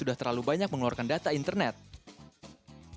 dan membuat keputusan berdasarkan itu